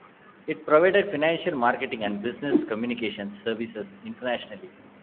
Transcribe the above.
It provided financial, marketing and business communications services internationally.